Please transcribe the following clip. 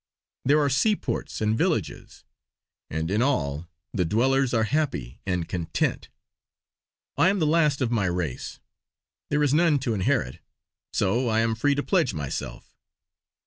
There are seaports and villages; and in all, the dwellers are happy and content. I am the last of my race. There is none to inherit; so I am free to pledge myself."